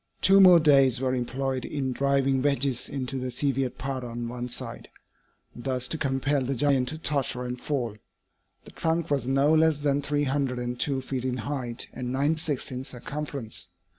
Two more days were employed in driving wedges into the severed part on one side, thus to compel the giant to totter and fall. The trunk was no less than three hundred and two feet in height and ninety six in circumference.